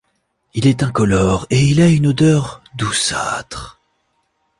Il est incolore et il a une odeur douceâtre.